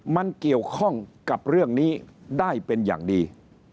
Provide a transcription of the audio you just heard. มันเกี่ยวข้องกับเรื่องนี้ได้เป็นอย่างดี